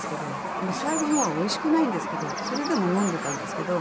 最後の方はおいしくないんですけどそれでも飲んでたんですけど。